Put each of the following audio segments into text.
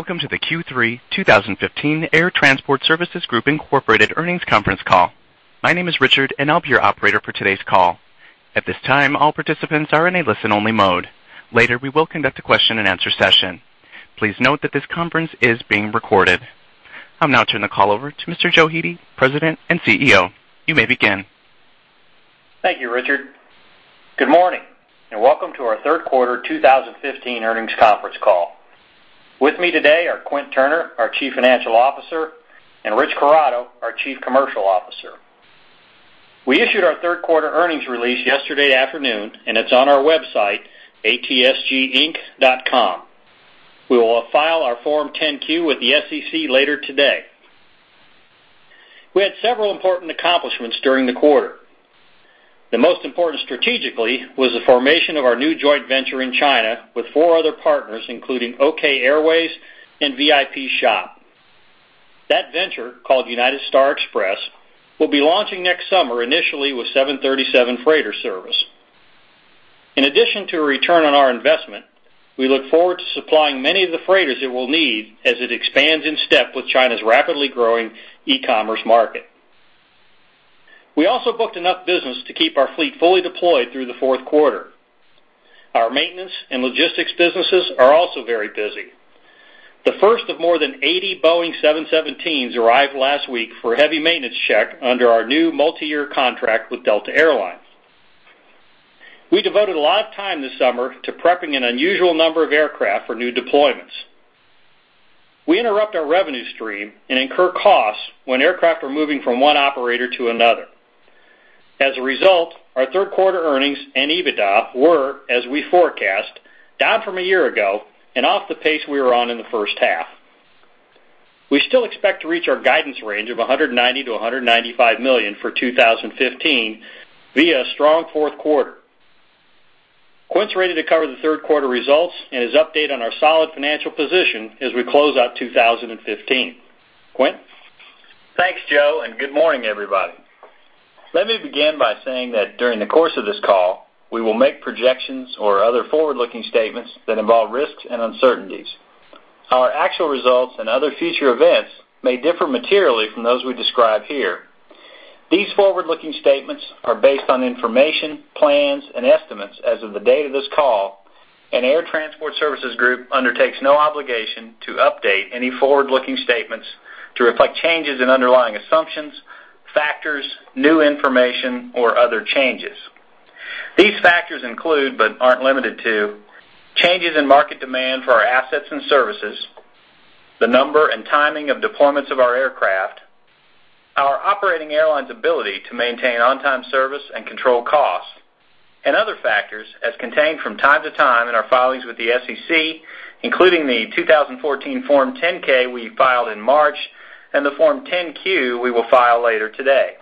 Welcome to the Q3 2015 Air Transport Services Group, Inc. earnings conference call. My name is Richard. I'll be your operator for today's call. At this time, all participants are in a listen-only mode. Later, we will conduct a question and answer session. Please note that this conference is being recorded. I'll now turn the call over to Mr. Joe Hete, President and CEO. You may begin. Thank you, Richard. Good morning. Welcome to our third quarter 2015 earnings conference call. With me today are Quint Turner, our Chief Financial Officer, and Rich Corrado, our Chief Commercial Officer. We issued our third quarter earnings release yesterday afternoon. It's on our website, atsginc.com. We will file our Form 10-Q with the SEC later today. We had several important accomplishments during the quarter. The most important strategically was the formation of our new joint venture in China with four other partners, including Okay Airways and Vipshop. That venture, called United Star Express, will be launching next summer, initially with 737 freighter service. In addition to a return on our investment, we look forward to supplying many of the freighters it will need as it expands in step with China's rapidly growing e-commerce market. We also booked enough business to keep our fleet fully deployed through the fourth quarter. Our maintenance and logistics businesses are also very busy. The first of more than 80 Boeing 717s arrived last week for a heavy maintenance check under our new multi-year contract with Delta Air Lines. We devoted a lot of time this summer to prepping an unusual number of aircraft for new deployments. We interrupt our revenue stream and incur costs when aircraft are moving from one operator to another. As a result, our third quarter earnings and EBITDA were, as we forecast, down from a year ago and off the pace we were on in the first half. We still expect to reach our guidance range of $190 million-$195 million for 2015 via a strong fourth quarter. Quint's ready to cover the third quarter results and his update on our solid financial position as we close out 2015. Quint? Thanks, Joe, and good morning, everybody. Let me begin by saying that during the course of this call, we will make projections or other forward-looking statements that involve risks and uncertainties. Our actual results and other future events may differ materially from those we describe here. These forward-looking statements are based on information, plans, and estimates as of the date of this call. Air Transport Services Group undertakes no obligation to update any forward-looking statements to reflect changes in underlying assumptions, factors, new information, or other changes. These factors include, but aren't limited to, changes in market demand for our assets and services, the number and timing of deployments of our aircraft, our operating airlines' ability to maintain on-time service and control costs, and other factors as contained from time to time in our filings with the SEC, including the 2014 Form 10-K we filed in March and the Form 10-Q we will file later today.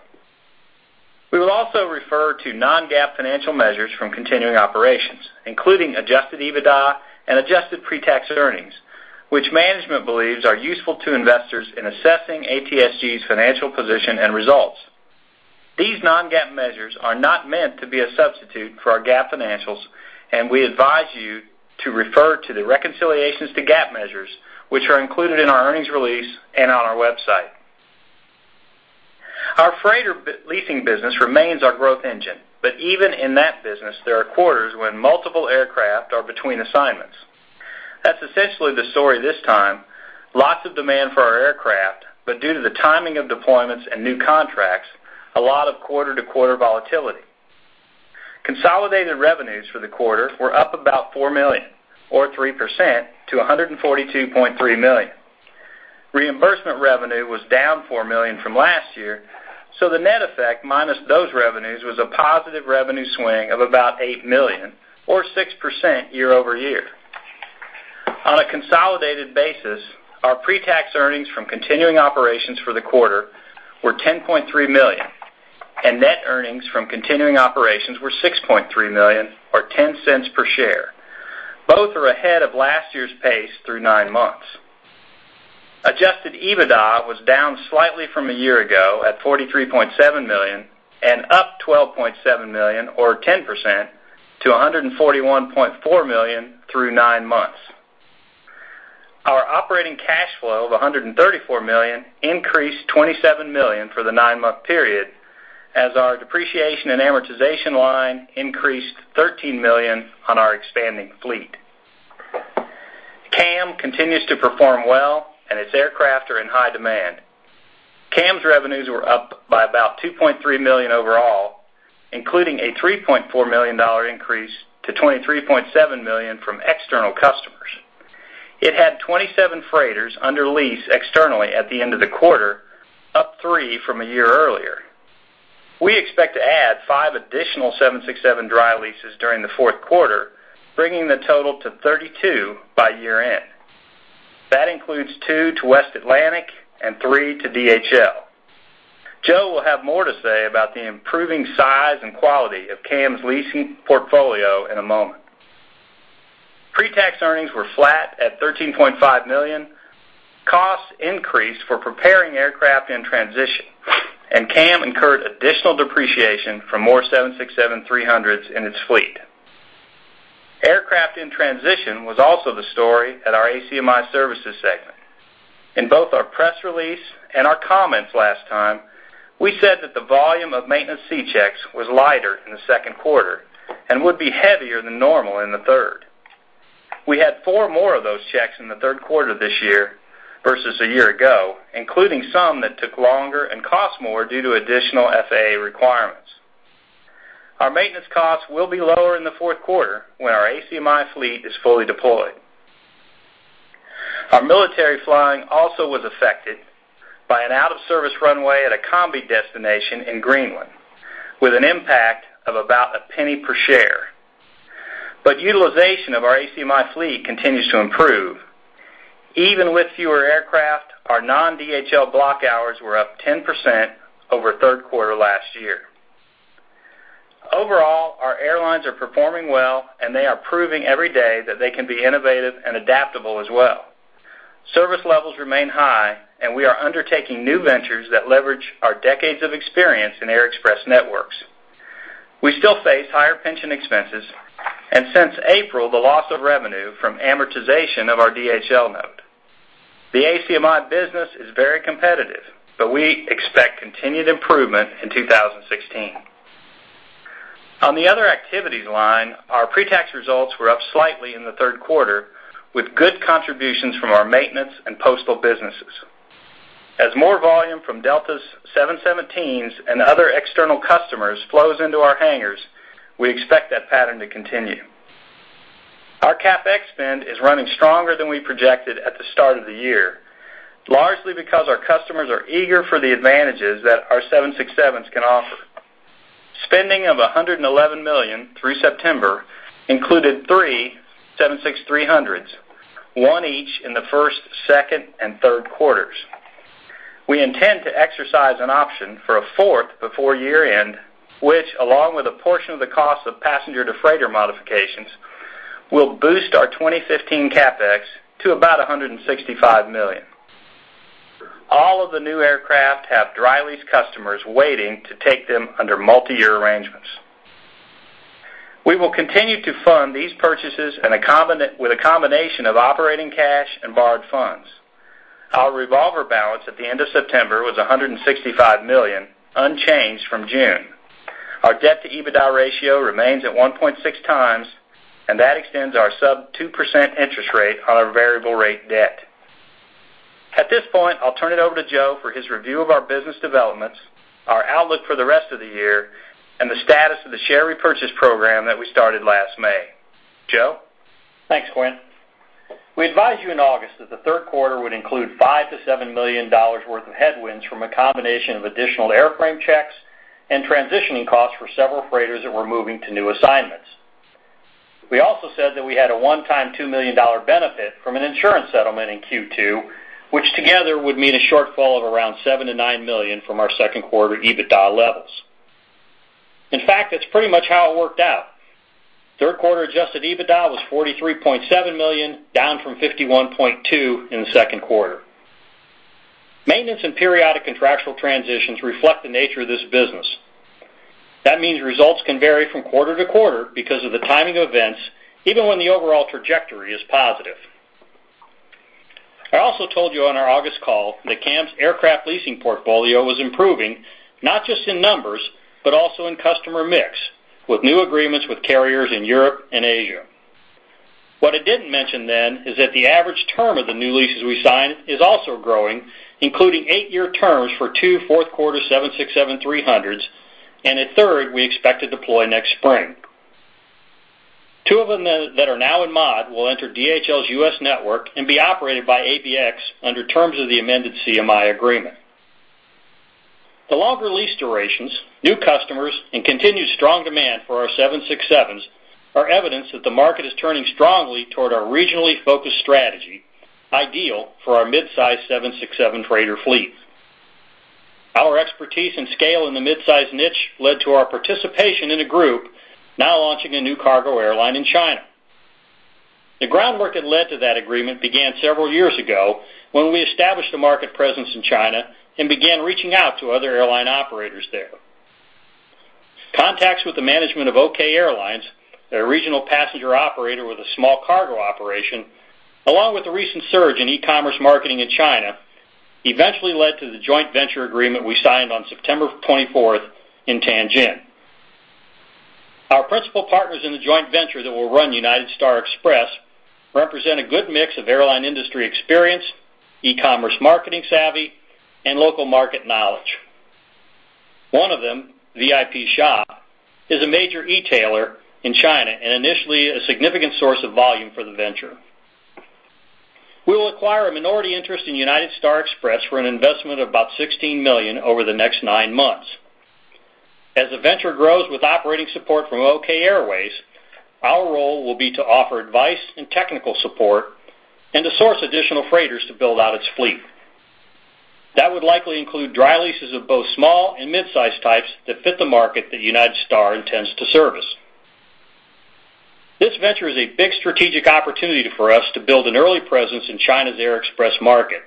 We will also refer to non-GAAP financial measures from continuing operations, including adjusted EBITDA and adjusted pre-tax earnings, which management believes are useful to investors in assessing ATSG's financial position and results. These non-GAAP measures are not meant to be a substitute for our GAAP financials. We advise you to refer to the reconciliations to GAAP measures, which are included in our earnings release and on our website. Our freighter leasing business remains our growth engine. Even in that business, there are quarters when multiple aircraft are between assignments. That's essentially the story this time, lots of demand for our aircraft. Due to the timing of deployments and new contracts, a lot of quarter-to-quarter volatility. Consolidated revenues for the quarter were up about $4 million, or 3%, to $142.3 million. Reimbursement revenue was down $4 million from last year. The net effect minus those revenues was a positive revenue swing of about $8 million, or 6% year-over-year. On a consolidated basis, our pre-tax earnings from continuing operations for the quarter were $10.3 million, and net earnings from continuing operations were $6.3 million, or $0.10 per share. Both are ahead of last year's pace through nine months. Adjusted EBITDA was down slightly from a year ago at $43.7 million. Up $12.7 million, or 10%, to $141.4 million through nine months. Our operating cash flow of $134 million increased $27 million for the nine-month period, as our depreciation and amortization line increased $13 million on our expanding fleet. CAM continues to perform well. Its aircraft are in high demand. CAM's revenues were up by about $2.3 million overall, including a $3.4 million increase to $23.7 million from external customers. It had 27 freighters under lease externally at the end of the quarter, up three from a year earlier. We expect to add five additional 767 dry leases during the fourth quarter, bringing the total to 32 by year-end. That includes two to West Atlantic and three to DHL. Joe will have more to say about the improving size and quality of CAM's leasing portfolio in a moment. Pre-tax earnings were flat at $13.5 million. Costs increased for preparing aircraft in transition, and CAM incurred additional depreciation from more 767-300s in its fleet. Aircraft in transition was also the story at our ACMI services segment. In both our press release and our comments last time, we said that the volume of maintenance C checks was lighter in the second quarter and would be heavier than normal in the third. We had four more of those checks in the third quarter this year versus a year ago, including some that took longer and cost more due to additional FAA requirements. Our maintenance costs will be lower in the fourth quarter when our ACMI fleet is fully deployed. Our military flying also was affected by an out-of-service runway at a combi destination in Greenland, with an impact of about $0.01 per share. Utilization of our ACMI fleet continues to improve. Even with fewer aircraft, our non-DHL block hours were up 10% over third quarter last year. Overall, our airlines are performing well, and they are proving every day that they can be innovative and adaptable as well. Service levels remain high, and we are undertaking new ventures that leverage our decades of experience in air express networks. We still face higher pension expenses, and since April, the loss of revenue from amortization of our DHL note. The ACMI business is very competitive, but we expect continued improvement in 2016. On the other activities line, our pre-tax results were up slightly in the third quarter, with good contributions from our maintenance and postal businesses. As more volume from Delta's 717s and other external customers flows into our hangars, we expect that pattern to continue. Our CapEx spend is running stronger than we projected at the start of the year, largely because our customers are eager for the advantages that our 767s can offer. Spending of $111 million through September included three 767-300s, one each in the first, second, and third quarters. We intend to exercise an option for a fourth before year-end, which, along with a portion of the cost of passenger-to-freighter modifications, will boost our 2015 CapEx to about $165 million. All of the new aircraft have dry lease customers waiting to take them under multi-year arrangements. We will continue to fund these purchases with a combination of operating cash and borrowed funds. Our revolver balance at the end of September was $165 million, unchanged from June. Our debt-to-EBITDA ratio remains at 1.6 times, and that extends our sub 2% interest rate on our variable rate debt. At this point, I'll turn it over to Joe for his review of our business developments, our outlook for the rest of the year, and the status of the share repurchase program that we started last May. Joe? Thanks, Quint. We advised you in August that the third quarter would include $5 million-$7 million worth of headwinds from a combination of additional airframe checks and transitioning costs for several freighters that were moving to new assignments. We also said that we had a one-time $2 million benefit from an insurance settlement in Q2, which together would mean a shortfall of around $7 million-$9 million from our second quarter EBITDA levels. In fact, that's pretty much how it worked out. Third quarter adjusted EBITDA was $43.7 million, down from $51.2 in the second quarter. Maintenance and periodic contractual transitions reflect the nature of this business. That means results can vary from quarter-to-quarter because of the timing of events, even when the overall trajectory is positive. I also told you on our August call that CAM's aircraft leasing portfolio was improving, not just in numbers, but also in customer mix, with new agreements with carriers in Europe and Asia. What I didn't mention then is that the average term of the new leases we signed is also growing, including eight-year terms for two fourth quarter 767-300s, and a third we expect to deploy next spring. Two of them that are now in mod will enter DHL's U.S. network and be operated by ABX under terms of the amended CMI agreement. The longer lease durations, new customers, and continued strong demand for our 767s are evidence that the market is turning strongly toward our regionally focused strategy, ideal for our mid-size 767 freighter fleet. Our expertise and scale in the mid-size niche led to our participation in a group now launching a new cargo airline in China. The groundwork that led to that agreement began several years ago, when we established a market presence in China and began reaching out to other airline operators there. Contacts with the management of Okay Airways, a regional passenger operator with a small cargo operation, along with the recent surge in e-commerce marketing in China, eventually led to the joint venture agreement we signed on September 24th in Tianjin. Our principal partners in the joint venture that will run United Star Express represent a good mix of airline industry experience, e-commerce marketing savvy, and local market knowledge. One of them, Vipshop, is a major e-tailer in China and initially a significant source of volume for the venture. We will acquire a minority interest in United Star Express for an investment of about $16 million over the next nine months. As the venture grows with operating support from Okay Airways, our role will be to offer advice and technical support and to source additional freighters to build out its fleet. That would likely include dry leases of both small and mid-size types that fit the market that United Star intends to service. This venture is a big strategic opportunity for us to build an early presence in China's air express market.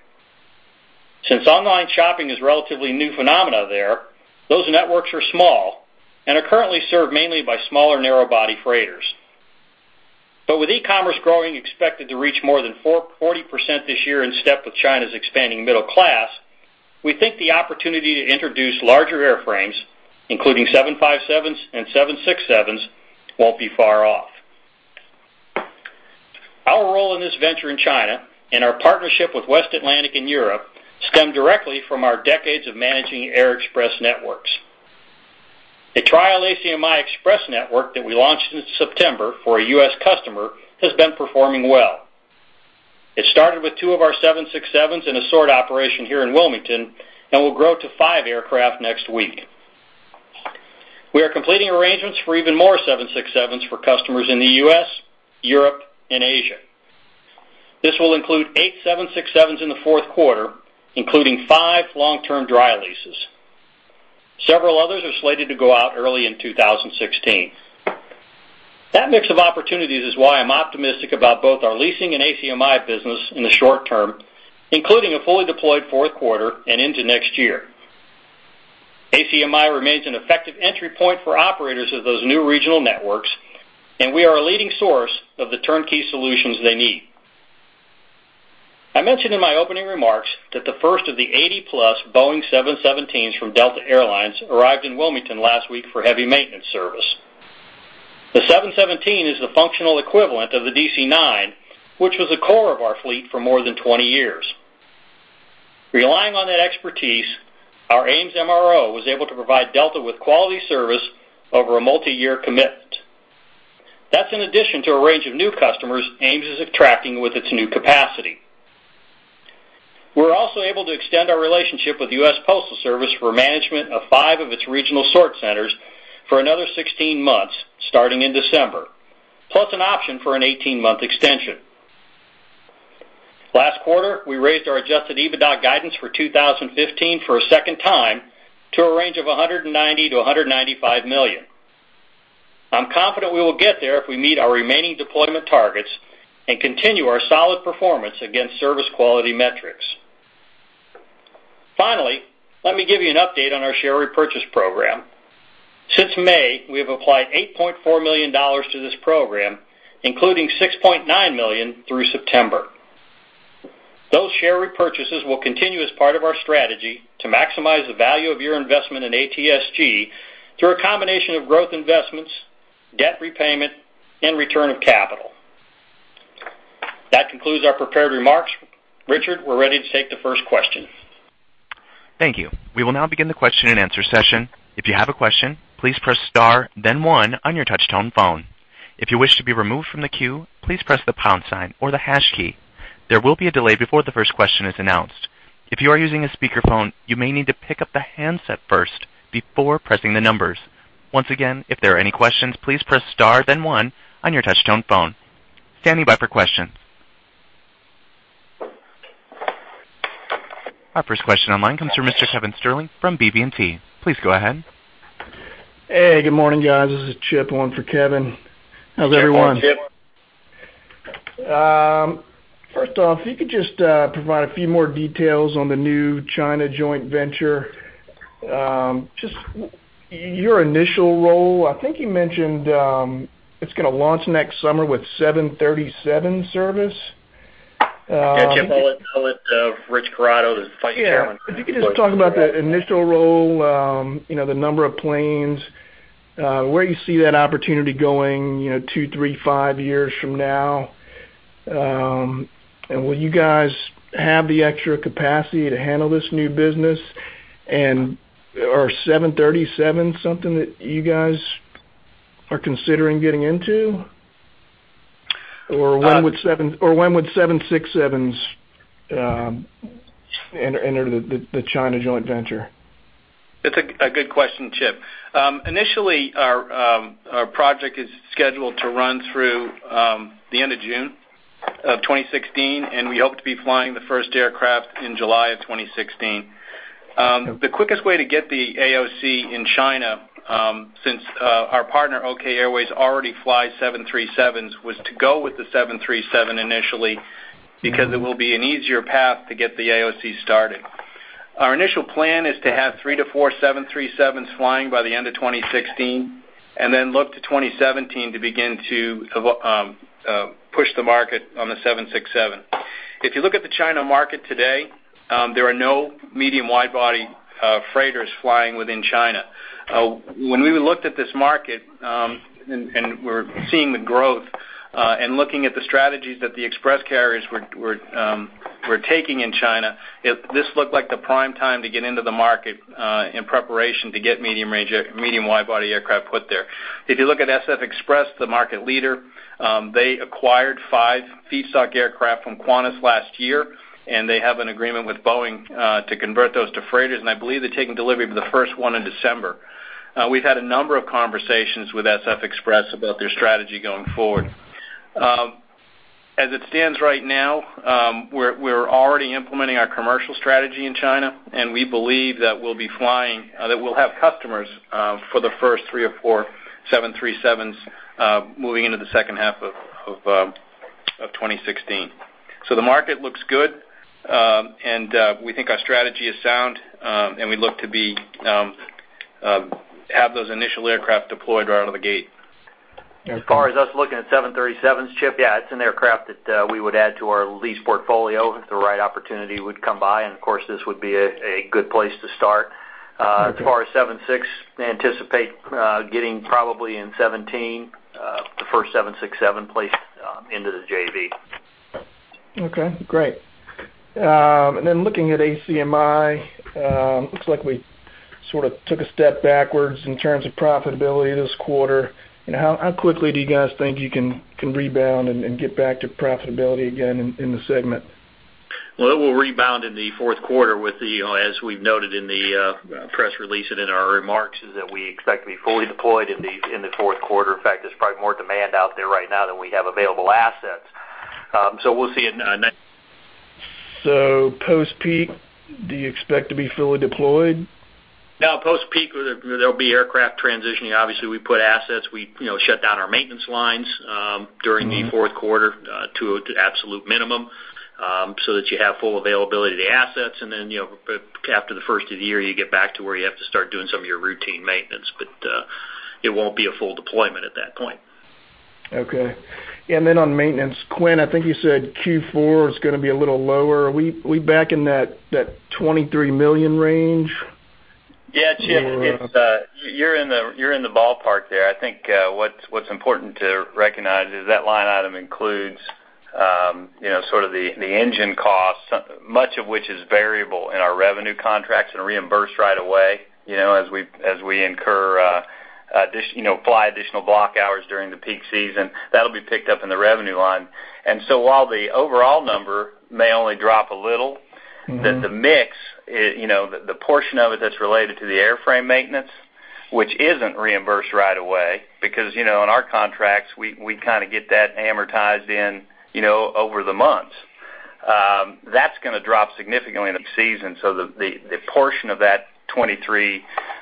Since online shopping is a relatively new phenomenon there, those networks are small and are currently served mainly by smaller narrow body freighters. With e-commerce growing expected to reach more than 40% this year in step with China's expanding middle class, we think the opportunity to introduce larger airframes, including 757s and 767s, won't be far off. Our role in this venture in China, and our partnership with West Atlantic in Europe, stem directly from our decades of managing air express networks. The trial ACMI express network that we launched in September for a U.S. customer has been performing well. It started with two of our 767s in a sort operation here in Wilmington and will grow to five aircraft next week. We are completing arrangements for even more 767s for customers in the U.S., Europe, and Asia. This will include eight 767s in the fourth quarter, including five long-term dry leases. Several others are slated to go out early in 2016. That mix of opportunities is why I'm optimistic about both our leasing and ACMI business in the short term, including a fully deployed fourth quarter and into next year. ACMI remains an effective entry point for operators of those new regional networks, and we are a leading source of the turnkey solutions they need. I mentioned in my opening remarks that the first of the 80-plus Boeing 717s from Delta Air Lines arrived in Wilmington last week for heavy maintenance service. The 717 is the functional equivalent of the DC-9, which was a core of our fleet for more than 20 years. Relying on that expertise, our AMES MRO was able to provide Delta with quality service over a multi-year commitment. That's in addition to a range of new customers AMES is attracting with its new capacity. We're also able to extend our relationship with the United States Postal Service for management of five of its regional sort centers for another 16 months starting in December, plus an option for an 18-month extension. Last quarter, we raised our adjusted EBITDA guidance for 2015 for a second time to a range of $190 million-$195 million. I'm confident we will get there if we meet our remaining deployment targets and continue our solid performance against service quality metrics. Finally, let me give you an update on our share repurchase program. Since May, we have applied $8.4 million to this program, including $6.9 million through September. Those share repurchases will continue as part of our strategy to maximize the value of your investment in ATSG through a combination of growth investments, debt repayment, and return of capital. That concludes our prepared remarks. Richard, we're ready to take the first question. Thank you. We will now begin the question and answer session. If you have a question, please press star then one on your touch tone phone. If you wish to be removed from the queue, please press the pound sign or the hash key. There will be a delay before the first question is announced. If you are using a speakerphone, you may need to pick up the handset first before pressing the numbers. Once again, if there are any questions, please press star then one on your touch tone phone. Standing by for questions. Our first question online comes from Mr. Kevin Sterling from BB&T. Please go ahead. Hey, good morning, guys. This is Chip, one for Kevin. How's everyone? Good morning, Chip. First off, if you could just provide a few more details on the new China joint venture. Just your initial role. I think you mentioned, it's going to launch next summer with 737 service. Yeah, Chip. I'll let Rich Corrado, the Vice Chairman. Yeah. If you could just talk about the initial role, the number of planes, where you see that opportunity going, two, three, five years from now. Will you guys have the extra capacity to handle this new business? Are 737s something that you guys are considering getting into? When would 767s enter the China joint venture? It's a good question, Chip. Initially, our project is scheduled to run through the end of June of 2016, and we hope to be flying the first aircraft in July of 2016. The quickest way to get the AOC in China, since our partner, Okay Airways, already flies 737s, was to go with the 737 initially, because it will be an easier path to get the AOC started. Our initial plan is to have three to four 737s flying by the end of 2016. Then look to 2017 to begin to push the market on the 767. If you look at the China market today, there are no medium wide body freighters flying within China. When we looked at this market, we're seeing the growth, looking at the strategies that the express carriers were taking in China, this looked like the prime time to get into the market, in preparation to get medium wide body aircraft put there. If you look at SF Express, the market leader, they acquired five feedstock aircraft from Qantas last year. They have an agreement with Boeing to convert those to freighters. I believe they're taking delivery of the first one in December. We've had a number of conversations with SF Express about their strategy going forward. As it stands right now, we're already implementing our commercial strategy in China. We believe that we'll have customers for the first three or four 737s moving into the second half of 2016. The market looks good. We think our strategy is sound. We look to have those initial aircraft deployed right out of the gate. As far as us looking at 737s, Chip, yeah, it's an aircraft that we would add to our lease portfolio if the right opportunity would come by, and of course, this would be a good place to start. As far as 76, anticipate getting probably in 2017, the first 767 placed into the JV. Okay, great. Then looking at ACMI, looks like we sort of took a step backwards in terms of profitability this quarter. How quickly do you guys think you can rebound and get back to profitability again in the segment? Well, it will rebound in the fourth quarter with the, as we've noted in the press release and in our remarks, is that we expect to be fully deployed in the fourth quarter. In fact, there's probably more demand out there right now than we have available assets. We'll see it. Post-peak, do you expect to be fully deployed? No, post-peak, there'll be aircraft transitioning. Obviously, we put assets, we shut down our maintenance lines during the fourth quarter to absolute minimum, so that you have full availability to assets. After the first of the year, you get back to where you have to start doing some of your routine maintenance. It won't be a full deployment at that point. Okay. On maintenance, Quint, I think you said Q4 is going to be a little lower. Are we back in that $23 million range? Yeah, Chip, you're in the ballpark there. I think what's important to recognize is that line item includes sort of the engine costs, much of which is variable in our revenue contracts and reimbursed right away, as we incur, apply additional block hours during the peak season. That'll be picked up in the revenue line. While the overall number may only drop a little, the mix, the portion of it that's related to the airframe maintenance, which isn't reimbursed right away, because in our contracts, we kind of get that amortized in over the months. That's going to drop significantly in the season, so the portion of that $23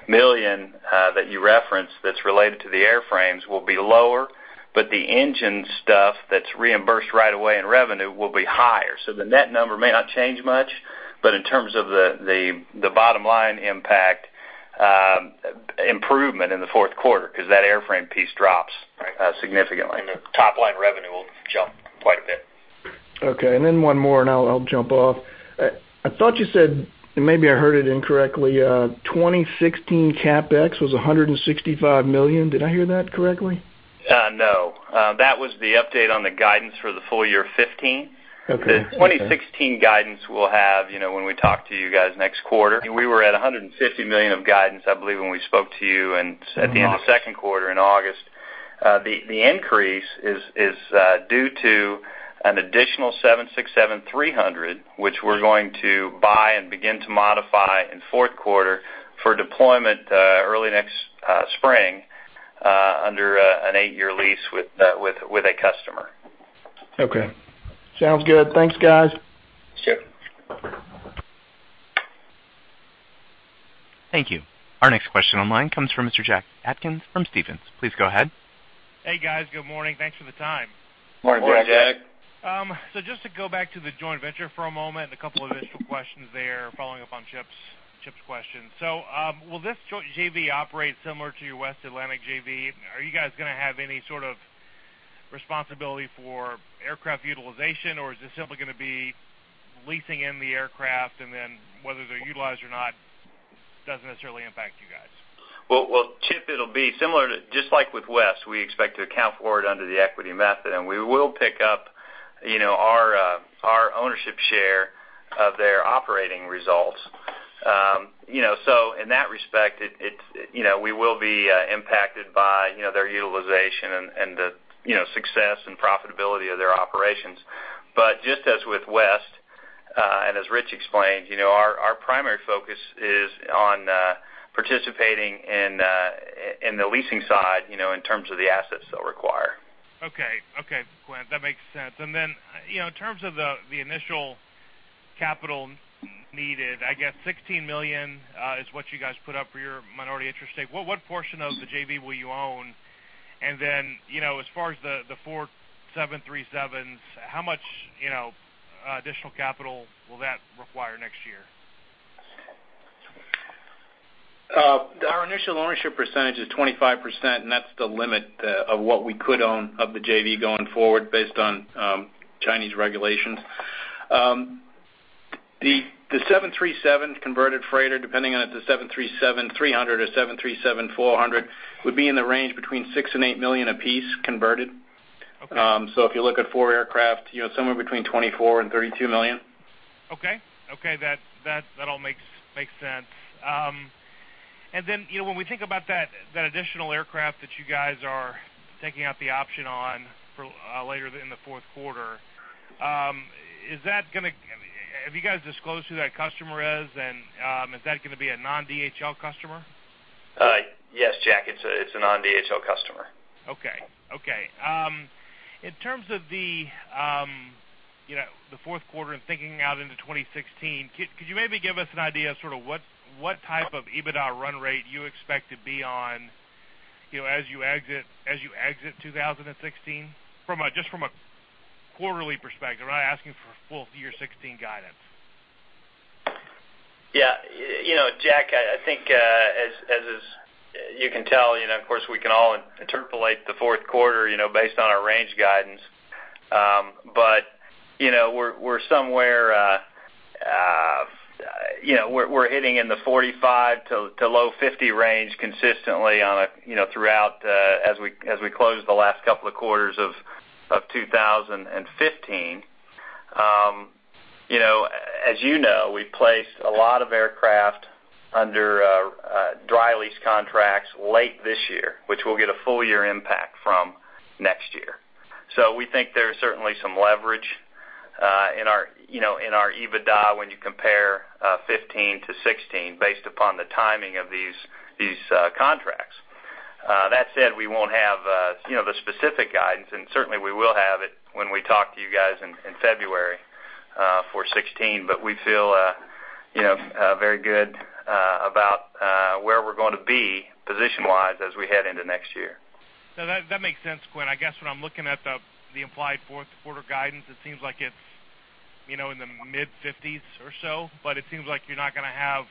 million that you referenced that's related to the airframes will be lower, but the engine stuff that's reimbursed right away in revenue will be higher. The net number may not change much, but in terms of the bottom line impact, improvement in the fourth quarter, because that airframe piece drops significantly. The top-line revenue will jump quite a bit. One more, I'll jump off. I thought you said, maybe I heard it incorrectly, 2016 CapEx was $165 million. Did I hear that correctly? No. That was the update on the guidance for the full year 2015. Okay. The 2016 guidance we'll have when we talk to you guys next quarter. We were at $150 million of guidance, I believe, when we spoke to you at the end of the second quarter in August. The increase is due to an additional 767-300, which we're going to buy and begin to modify in the fourth quarter for deployment early next spring under an eight-year lease with a customer. Okay. Sounds good. Thanks, guys. Sure. Thank you. Our next question online comes from Mr. Jack Atkins from Stephens. Please go ahead. Hey, guys. Good morning. Thanks for the time. Morning, Jack. Morning, Jack. Just to go back to the joint venture for a moment, a couple of additional questions there following up on Chip's questions. Will this JV operate similar to your West Atlantic JV? Are you guys going to have any sort of responsibility for aircraft utilization, or is it simply going to be leasing in the aircraft and then whether they're utilized or not doesn't necessarily impact you guys? Well, Chip, it'll be similar to just like with West, we expect to account for it under the equity method, and we will pick up our ownership share of their operating results. In that respect, we will be impacted by their utilization and the success and profitability of their operations. Just as with West, and as Rich explained, our primary focus is on participating in the leasing side, in terms of the assets they'll require. Okay. Quint, that makes sense. In terms of the initial capital needed, I guess $16 million is what you guys put up for your minority interest stake. What portion of the JV will you own? As far as the four 737s, how much additional capital will that require next year? Our initial ownership percentage is 25%. That's the limit of what we could own of the JV going forward based on Chinese regulations. The 737 converted freighter, depending on if it's a 737-300 or 737-400, would be in the range between $6 million and $8 million a piece converted. Okay. If you look at four aircraft, somewhere between $24 million and $32 million. Okay. That all makes sense. Then, when we think about that additional aircraft that you guys are taking out the option on for later in the fourth quarter, Have you guys disclosed who that customer is, and is that going to be a non-DHL customer? Yes, Jack, it's a non-DHL customer. Okay. In terms of the fourth quarter and thinking out into 2016, could you maybe give us an idea of what type of EBITDA run rate you expect to be on as you exit 2016? Just from a quarterly perspective. I'm not asking for full year 2016 guidance. Yeah. Jack, I think, as you can tell, of course, we can all interpolate the fourth quarter, based on our range guidance. We're hitting in the $45 to low $50 range consistently throughout as we close the last couple of quarters of 2015. As you know, we placed a lot of aircraft under dry lease contracts late this year, which we'll get a full year impact from next year. We think there's certainly some leverage, in our EBITDA when you compare 2015 to 2016, based upon the timing of these contracts. That said, we won't have the specific guidance, and certainly, we will have it when we talk to you guys in February for 2016. We feel very good about where we're going to be position-wise as we head into next year. No, that makes sense, Quint. I guess when I'm looking at the implied fourth quarter guidance, it seems like it's in the mid-$50s or so, it seems like you're not going to have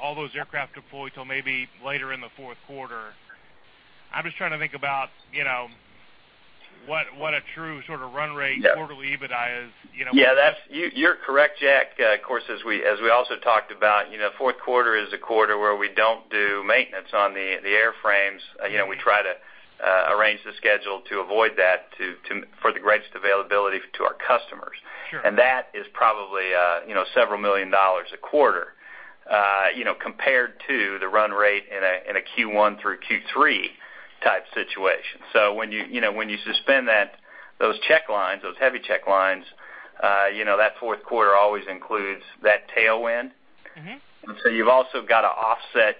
all those aircraft deployed till maybe later in the fourth quarter. I'm just trying to think about what a true sort of run rate quarterly EBITDA is. Yeah. You're correct, Jack. Of course, as we also talked about, fourth quarter is a quarter where we don't do maintenance on the airframes. We try to arrange the schedule to avoid that, for the greatest availability to our customers. Sure. That is probably several million dollars a quarter, compared to the run rate in a Q1 through Q3 type situation. When you suspend those check lines, those heavy check lines, that fourth quarter always includes that tailwind. You've also got to offset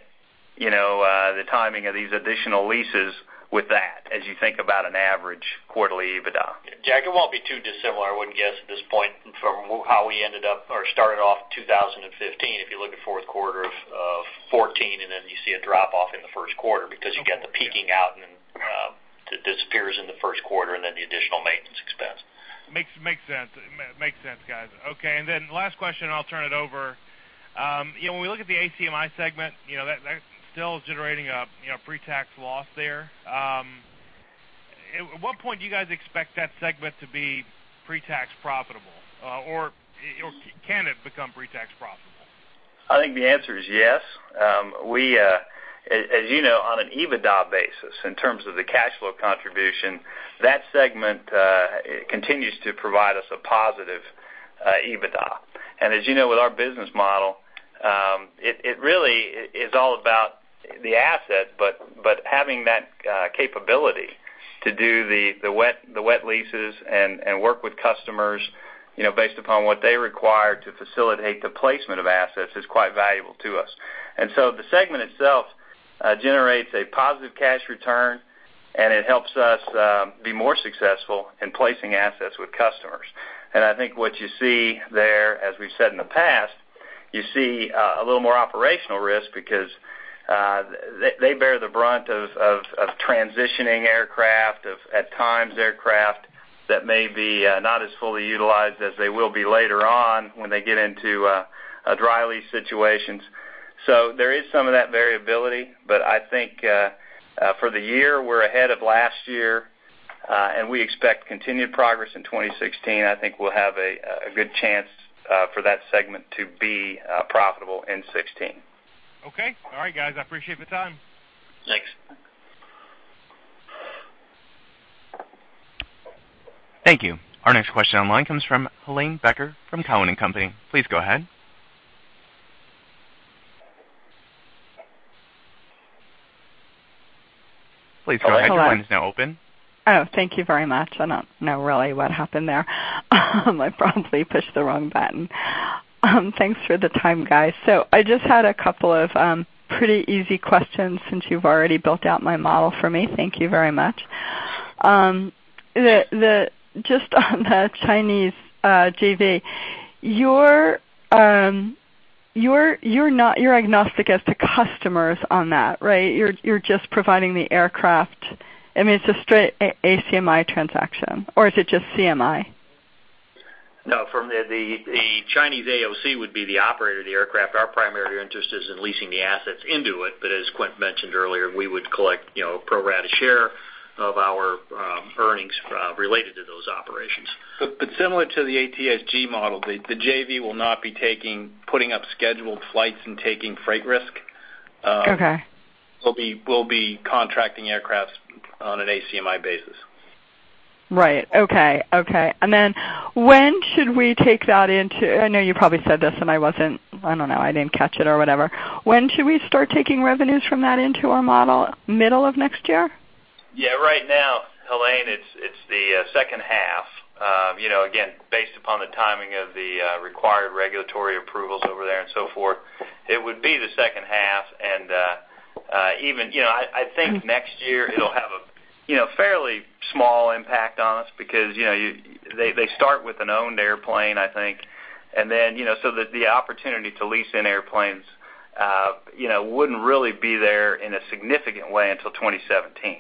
the timing of these additional leases with that, as you think about an average quarterly EBITDA. Jack, it won't be too dissimilar, I wouldn't guess, at this point, from how we ended up or started off 2015, if you look at fourth quarter of 2014, and then you see a drop-off in the first quarter, because you get the peaking out, and then it disappears in the first quarter, and then the additional maintenance expense. Makes sense, guys. Okay. Last question, and I'll turn it over. When we look at the ACMI segment, that still is generating a pre-tax loss there. At what point do you guys expect that segment to be pre-tax profitable? Or can it become pre-tax profitable? I think the answer is yes. As you know, on an EBITDA basis, in terms of the cash flow contribution, that segment continues to provide us a positive EBITDA. As you know, with our business model, it really is all about the asset, but having that capability to do the wet leases and work with customers, based upon what they require to facilitate the placement of assets is quite valuable to us. So the segment itself generates a positive cash return, and it helps us be more successful in placing assets with customers. I think what you see there, as we've said in the past, you see a little more operational risk because they bear the brunt of transitioning aircraft, of at times aircraft that may be not as fully utilized as they will be later on when they get into dry lease situations. There is some of that variability, but I think for the year, we're ahead of last year, and we expect continued progress in 2016. I think we'll have a good chance for that segment to be profitable in 2016. Okay. All right, guys. I appreciate the time. Thanks. Thank you. Our next question online comes from Helane Becker from Cowen and Company. Please go ahead. Your line is now open. Thank you very much. I don't know really what happened there. I probably pushed the wrong button. Thanks for the time, guys. I just had a couple of pretty easy questions, since you've already built out my model for me. Thank you very much. Just on the Chinese JV, you're agnostic as to customers on that, right? You're just providing the aircraft. I mean, it's a straight ACMI transaction, or is it just CMI? No. The Chinese AOC would be the operator of the aircraft. Our primary interest is in leasing the assets into it. As Quint mentioned earlier, we would collect a pro rata share of our earnings related to those operations. Similar to the ATSG model, the JV will not be putting up scheduled flights and taking freight risk. Okay. We'll be contracting aircraft on an ACMI basis. Right. Okay. When should we take that into I know you probably said this and I don't know, I didn't catch it or whatever. When should we start taking revenues from that into our model? Middle of next year? Yeah, right now, Helane, it's the second half. Again, based upon the timing of the required regulatory approvals over there and so forth, it would be the second half. I think next year it'll have a fairly small impact on us because they start with an owned airplane, I think, so that the opportunity to lease in airplanes wouldn't really be there in a significant way until 2017.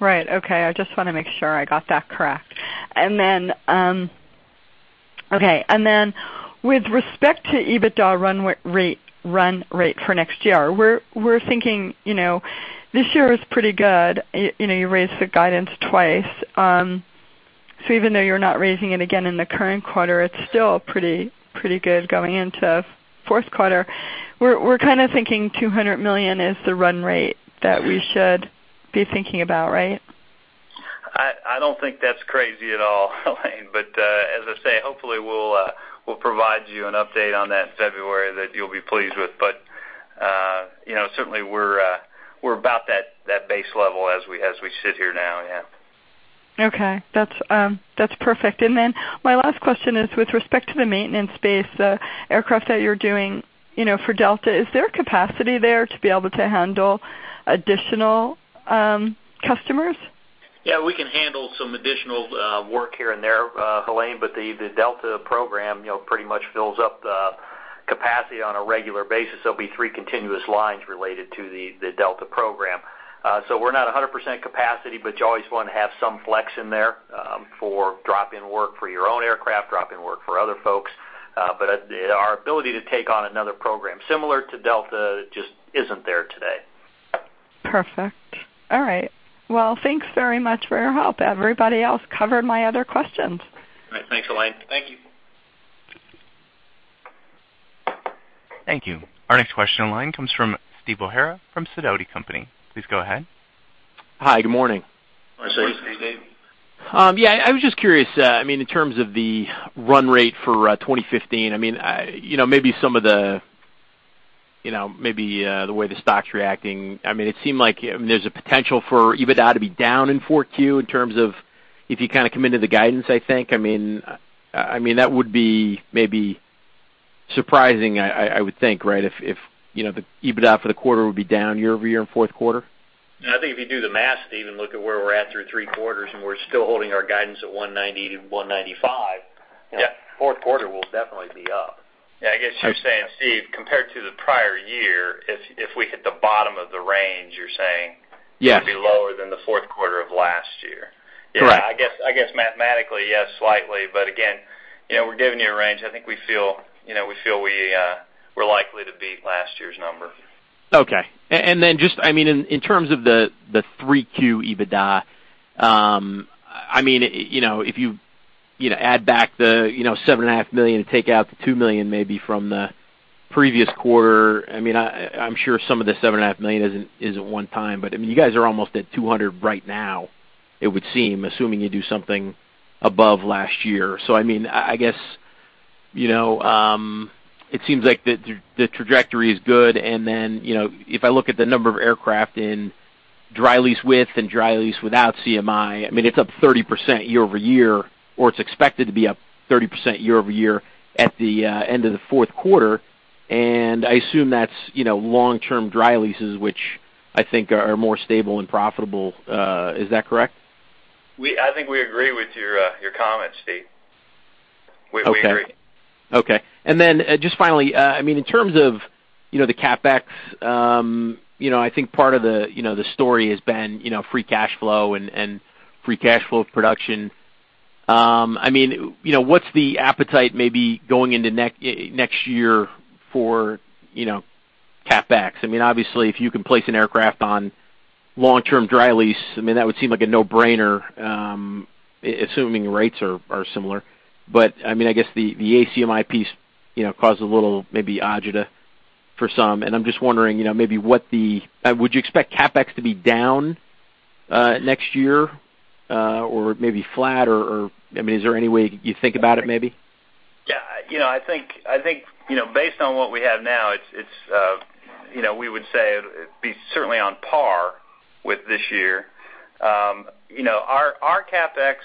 Right. Okay. I just want to make sure I got that correct. With respect to EBITDA run rate for next year, we're thinking this year was pretty good. You raised the guidance twice. Even though you're not raising it again in the current quarter, it's still pretty good going into fourth quarter. We're kind of thinking $200 million is the run rate that we should be thinking about, right? I don't think that's crazy at all, Helane. As I say, hopefully, we'll provide you an update on that in February that you'll be pleased with. Certainly, we're about that base level as we sit here now, yeah. That's perfect. Then my last question is with respect to the maintenance-based aircraft that you're doing for Delta, is there capacity there to be able to handle additional customers? Yeah, we can handle some additional work here and there, Helane, the Delta program pretty much fills up the capacity on a regular basis. There'll be three continuous lines related to the Delta program. We're not 100% capacity, you always want to have some flex in there for drop-in work for your own aircraft, drop-in work for other folks. Our ability to take on another program similar to Delta just isn't there today. Perfect. All right. Well, thanks very much for your help. Everybody else covered my other questions. All right. Thanks, Helane. Thank you. Thank you. Our next question in line comes from Steve O'Hara from Sidoti & Company. Please go ahead. Hi, good morning. Morning, Steve. Morning, Steve. Yeah, I was just curious, in terms of the run rate for 2015, maybe the way the stock's reacting, it seemed like there's a potential for EBITDA to be down in 4Q in terms of if you kind of committed the guidance, I think. That would be maybe surprising, I would think, right, if the EBITDA for the quarter would be down year-over-year in fourth quarter? I think if you do the math, Steve, look at where we're at through three quarters, we're still holding our guidance at $190-$195, fourth quarter will definitely be up. Yeah, I guess you're saying, Steve, compared to the prior year, if we hit the bottom of the range, you're saying- Yes it'd be lower than the fourth quarter of last year. Correct. I guess mathematically, yes, slightly, again, we're giving you a range. I think we feel we're likely to beat last year's number. Okay. Just in terms of the 3Q EBITDA, if you add back the seven and a half million and take out the $2 million maybe from the previous quarter, I'm sure some of the seven and a half million isn't one time, you guys are almost at $200 right now, it would seem, assuming you do something above last year. I guess, it seems like the trajectory is good, if I look at the number of aircraft in dry lease with and dry lease without CMI, it's up 30% year-over-year, or it's expected to be up 30% year-over-year at the end of the fourth quarter, and I assume that's long-term dry leases, which I think are more stable and profitable. Is that correct? I think we agree with your comments, Steve. We agree. Then, just finally, in terms of the CapEx, I think part of the story has been free cash flow and free cash flow of production. What's the appetite maybe going into next year for CapEx? Obviously, if you can place an aircraft on long-term dry lease, that would seem like a no-brainer, assuming rates are similar. I guess the ACMI piece caused a little, maybe agita for some, and I'm just wondering, would you expect CapEx to be down next year, or maybe flat, or is there any way you think about it, maybe? Yeah. I think, based on what we have now, we would say it'd be certainly on par with this year. Our CapEx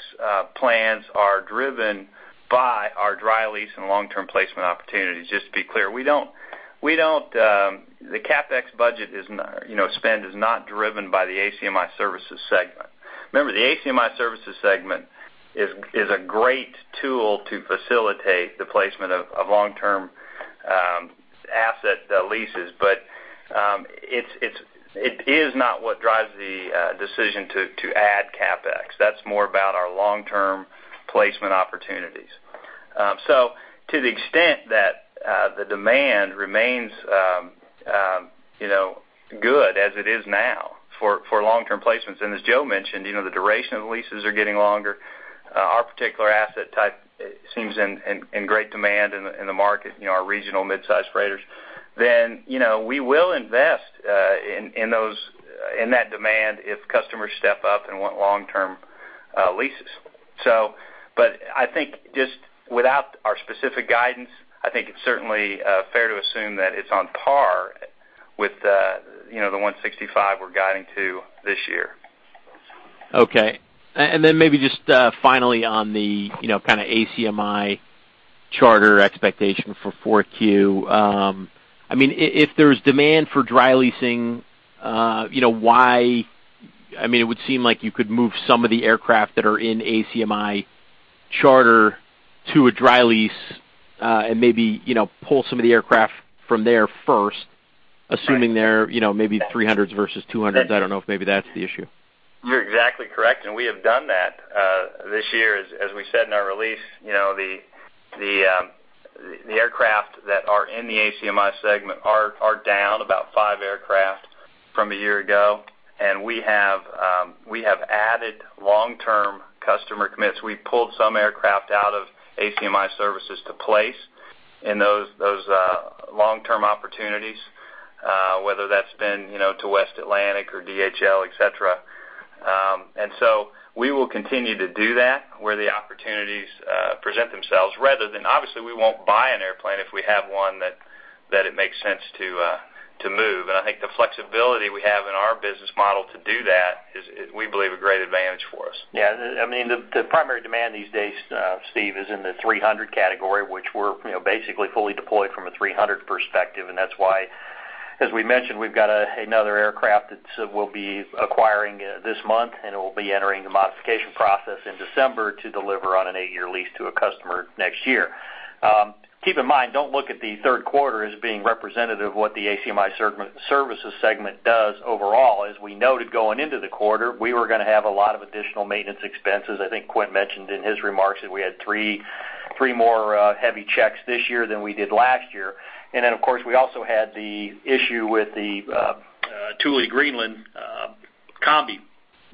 plans are driven by our dry lease and long-term placement opportunities. Just to be clear, the CapEx budget spend is not driven by the ACMI services segment. Remember, the ACMI services segment is a great tool to facilitate the placement of long-term asset leases, but it is not what drives the decision to add CapEx. That's more about our long-term placement opportunities. To the extent that the demand remains good as it is now for long-term placements, and as Joe mentioned, the duration of leases are getting longer. Our particular asset type seems in great demand in the market, our regional midsize freighters, then, we will invest in that demand if customers step up and want long-term leases. I think just without our specific guidance, I think it's certainly fair to assume that it's on par with the $165 we're guiding to this year. Okay. Then maybe just finally on the kind of ACMI charter expectation for 4Q. If there's demand for dry leasing, it would seem like you could move some of the aircraft that are in ACMI charter to a dry lease, and maybe pull some of the aircraft from there first, assuming they're maybe 300s versus 200s. I don't know if maybe that's the issue. You're exactly correct. We have done that. This year, as we said in our release, the aircraft that are in the ACMI segment are down about five aircraft from a year ago. We have added long-term customer commits. We pulled some aircraft out of ACMI services to place in those long-term opportunities, whether that's been to West Atlantic or DHL, et cetera. We will continue to do that where the opportunities present themselves, rather than, obviously, we won't buy an airplane if we have one that it makes sense to move. I think the flexibility we have in our business model to do that is, we believe, a great advantage for us. Yeah. The primary demand these days, Steve, is in the 300 category, which we're basically fully deployed from a 300 perspective. That's why, as we mentioned, we've got another aircraft that we'll be acquiring this month, and it will be entering the modification process in December to deliver on an eight-year lease to a customer next year. Keep in mind, don't look at the third quarter as being representative of what the ACMI services segment does overall. As we noted going into the quarter, we were going to have a lot of additional maintenance expenses. I think Quint mentioned in his remarks that we had three more heavy checks this year than we did last year. Of course, we also had the issue with the Thule, Greenland, combi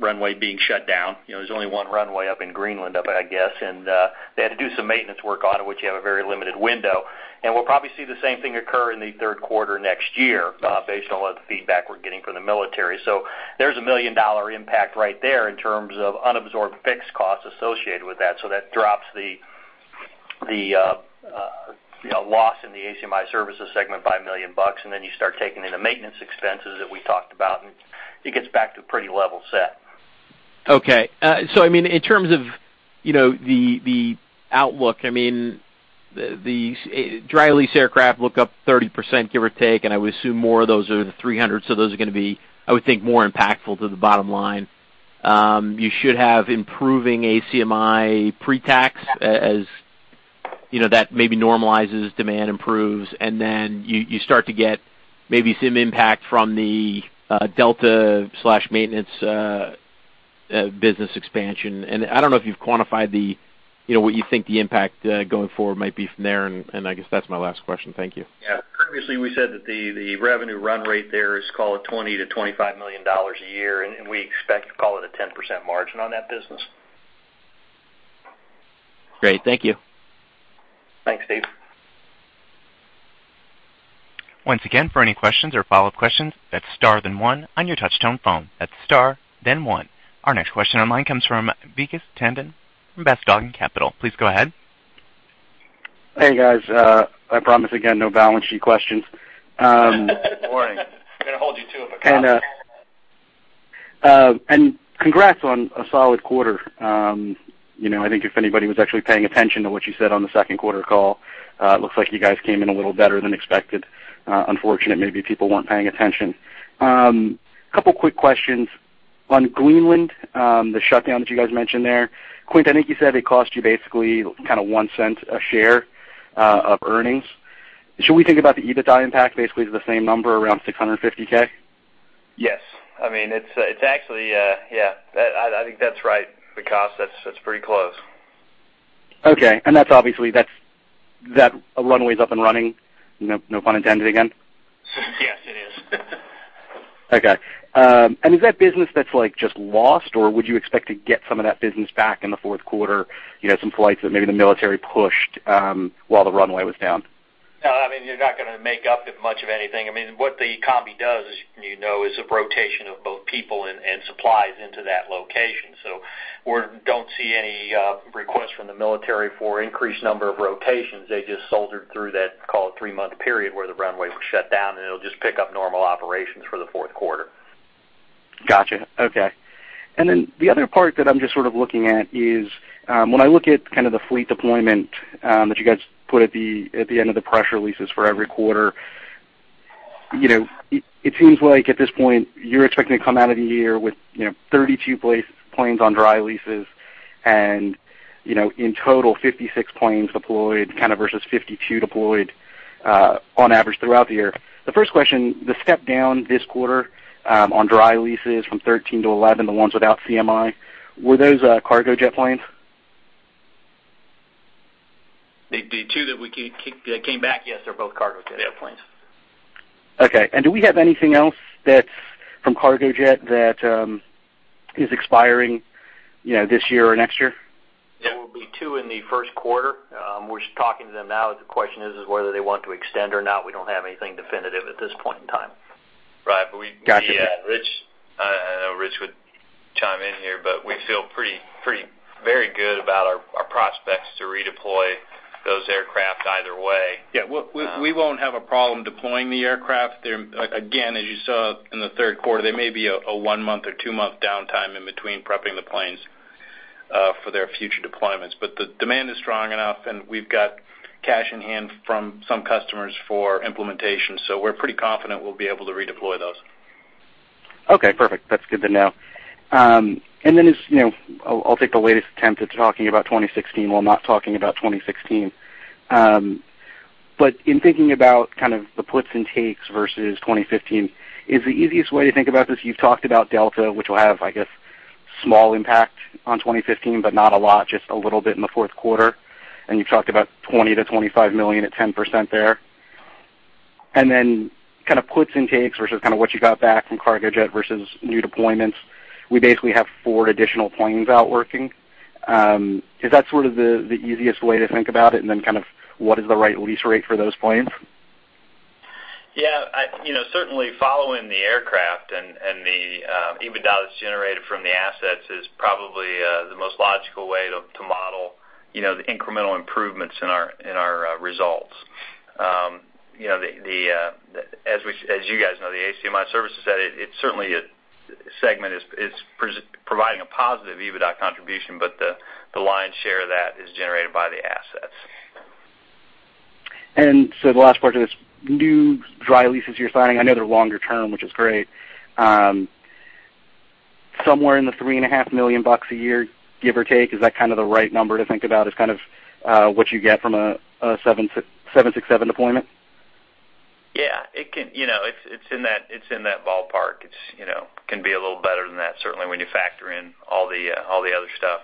runway being shut down. There's only one runway up in Greenland, I guess. They had to do some maintenance work on it, which you have a very limited window. We'll probably see the same thing occur in the third quarter next year based on all the feedback we're getting from the military. There's a $1 million impact right there in terms of unabsorbed fixed costs associated with that. That drops the loss in the ACMI services segment by $1 million, then you start taking in the maintenance expenses that we talked about. It gets back to a pretty level set. In terms of the outlook, the dry lease aircraft look up 30%, give or take, and I would assume more of those are the 300. Those are going to be, I would think, more impactful to the bottom line. You should have improving ACMI pretax as that maybe normalizes, demand improves, and you start to get maybe some impact from the Delta/maintenance business expansion. I don't know if you've quantified what you think the impact going forward might be from there, and I guess that's my last question. Thank you. Yeah. Previously, we said that the revenue run rate there is, call it, $20 million-$25 million a year, we expect, call it, a 10% margin on that business. Great. Thank you. Thanks, Steve. Once again, for any questions or follow-up questions, that's star then one on your touch-tone phone. That's star then one. Our next question online comes from Vikas Tandon from Beddog Capital. Please go ahead. Hey, guys. I promise again, no balance sheet questions. Good morning. We're going to hold you to it, Vikas. Congrats on a solid quarter. I think if anybody was actually paying attention to what you said on the second quarter call, it looks like you guys came in a little better than expected. Unfortunate, maybe people weren't paying attention. Couple quick questions. On Greenland, the shutdown that you guys mentioned there, Quint, I think you said it cost you basically $0.01 a share of earnings. Should we think about the EBITDA impact basically as the same number, around $650,000? Yes. I think that's right, Vikas. That's pretty close. Okay. Obviously, that runway's up and running, no pun intended again. Yes, it is. Is that business that's just lost, or would you expect to get some of that business back in the fourth quarter, some flights that maybe the military pushed while the runway was down? No, they're not going to make up much of anything. What the combi does, as you know, is a rotation of both people and supplies into that location. We don't see any requests from the military for increased number of rotations. They just soldiered through that, call it, three-month period where the runway was shut down, and it'll just pick up normal operations for the fourth quarter. Got you. Okay. The other part that I'm just sort of looking at is, when I look at kind of the fleet deployment that you guys put at the end of the dry leases for every quarter, it seems like at this point, you're expecting to come out of the year with 32 planes on dry leases and, in total, 56 planes deployed, kind of versus 52 deployed on average throughout the year. The first question, the step down this quarter on dry leases from 13 to 11, the ones without CMI, were those Cargojet planes? The two that came back, yes, they're both Cargojet airplanes. Okay. Do we have anything else that's from Cargojet that is expiring this year or next year? There will be two in the first quarter. We're talking to them now. The question is whether they want to extend or not. We don't have anything definitive at this point in time. Right. Got you. Rich, I know Rich would chime in here, but we feel very good about our prospects to redeploy those aircraft either way. We won't have a problem deploying the aircraft. Again, as you saw in the third quarter, there may be a one-month or two-month downtime in between prepping the planes, for their future deployments. The demand is strong enough, and we've got cash in hand from some customers for implementation. We're pretty confident we'll be able to redeploy those. Okay, perfect. That's good to know. I'll take the latest attempt at talking about 2016, while not talking about 2016. In thinking about kind of the puts and takes versus 2015, is the easiest way to think about this, you've talked about Delta Air Lines, which will have, I guess, small impact on 2015, but not a lot, just a little bit in the fourth quarter, and you've talked about $20 million-$25 million at 10% there. Kind of puts and takes versus kind of what you got back from Cargojet versus new deployments. We basically have four additional planes out working. Is that sort of the easiest way to think about it? Kind of what is the right lease rate for those planes? Certainly following the aircraft and the EBITDA that's generated from the assets is probably the most logical way to model the incremental improvements in our results. As you guys know, the ACMI services side, it's certainly a segment, it's providing a positive EBITDA contribution, but the lion's share of that is generated by the assets. The last part of this, new dry leases you're signing, I know they're longer term, which is great. Somewhere in the three and a half million dollars a year, give or take, is that kind of the right number to think about as kind of, what you get from a 767 deployment? Yeah. It's in that ballpark. It can be a little better than that certainly when you factor in all the other stuff.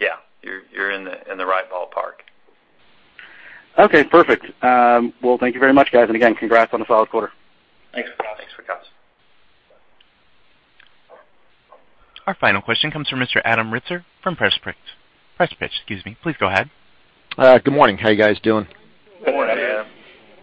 Yeah, you're in the right ballpark. Okay, perfect. Well, thank you very much, guys. Again, congrats on a solid quarter. Thanks for calling. Thanks for coming. Our final question comes from Mr. Adam Ritzer from Press Print. Pressprich, excuse me. Please go ahead. Good morning. How you guys doing? Morning, Adam.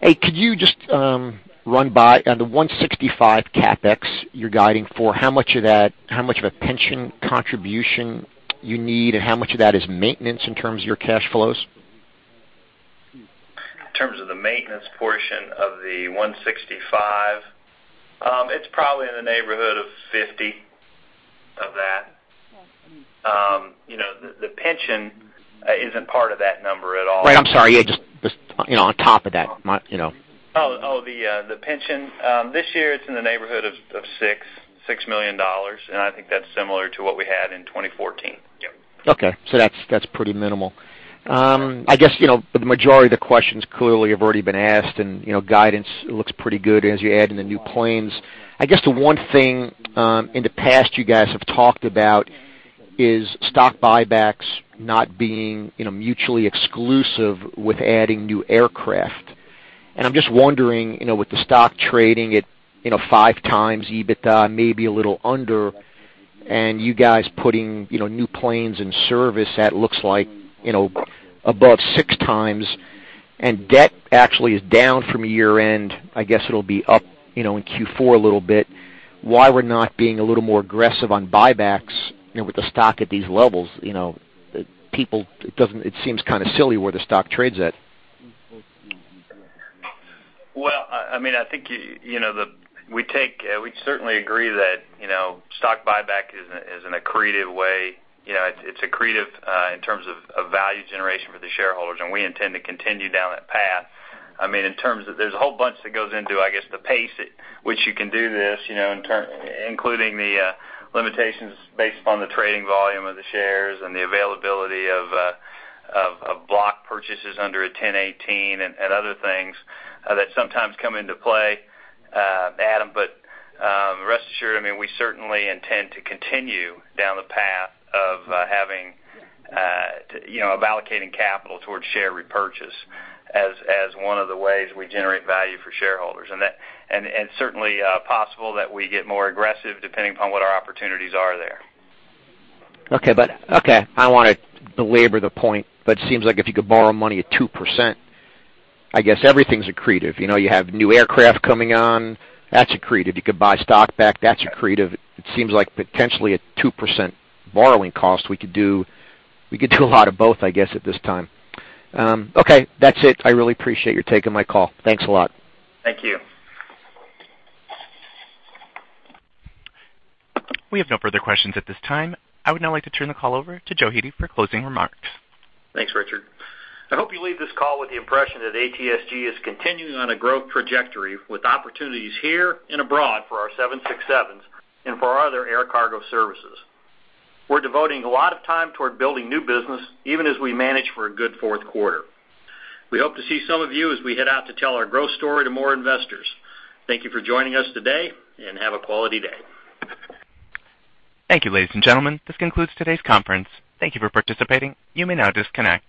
Hey, could you just run by on the $165 CapEx you're guiding for, how much of a pension contribution you need, and how much of that is maintenance in terms of your cash flows? In terms of the maintenance portion of the $165, it's probably in the neighborhood of $50 of that. The pension isn't part of that number at all. Right. I'm sorry. Yeah, just on top of that. Oh, the pension. This year it's in the neighborhood of $6 million, and I think that's similar to what we had in 2014. Yep. That's pretty minimal. I guess, the majority of the questions clearly have already been asked, and guidance looks pretty good as you add in the new planes. I guess the one thing, in the past you guys have talked about is stock buybacks not being mutually exclusive with adding new aircraft. I'm just wondering, with the stock trading at 5 times EBITDA, maybe a little under, and you guys putting new planes in service, that looks like above 6 times, and debt actually is down from year-end, I guess it'll be up in Q4 a little bit. Why we're not being a little more aggressive on buybacks, with the stock at these levels, it seems kind of silly where the stock trades at. We certainly agree that stock buyback is an accretive way. It's accretive in terms of value generation for the shareholders, and we intend to continue down that path. There's a whole bunch that goes into, I guess, the pace at which you can do this, including the limitations based upon the trading volume of the shares and the availability of block purchases under a 10b-18 and other things that sometimes come into play, Adam. Rest assured, we certainly intend to continue down the path of allocating capital towards share repurchase as one of the ways we generate value for shareholders. It's certainly possible that we get more aggressive depending upon what our opportunities are there. I don't want to belabor the point, it seems like if you could borrow money at 2%, I guess everything's accretive. You have new aircraft coming on, that's accretive. You could buy stock back, that's accretive. It seems like potentially at 2% borrowing cost, we could do a lot of both, I guess, at this time. That's it. I really appreciate you taking my call. Thanks a lot. Thank you. We have no further questions at this time. I would now like to turn the call over to Joe Hete for closing remarks. Thanks, Richard. I hope you leave this call with the impression that ATSG is continuing on a growth trajectory with opportunities here and abroad for our 767s and for our other air cargo services. We're devoting a lot of time toward building new business, even as we manage for a good fourth quarter. We hope to see some of you as we head out to tell our growth story to more investors. Thank you for joining us today, and have a quality day. Thank you, ladies and gentlemen. This concludes today's conference. Thank you for participating. You may now disconnect.